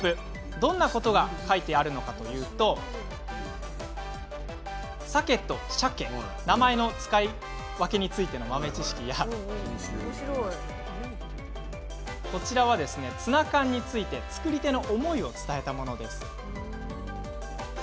どんなことが書かれているかというと「さけ」と「しゃけ」名前の使い分けについての豆知識やこちらはツナ缶について作り手の思いを伝えたもの。